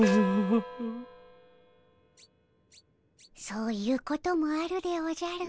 そういうこともあるでおじゃる。